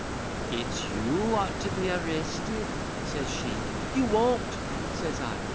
"It's you ought to be arristed," says she. "You won't," says I.